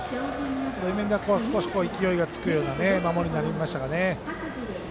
そういうところで勢いがつくような守りになりましたね。